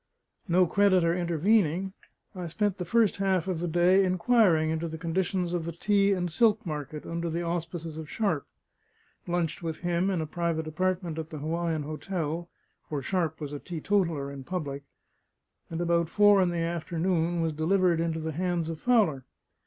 No creditor intervening, I spent the first half of the day inquiring into the conditions of the tea and silk market under the auspices of Sharpe; lunched with him in a private apartment at the Hawaiian Hotel for Sharpe was a teetotaler in public; and about four in the afternoon was delivered into the hands of Fowler.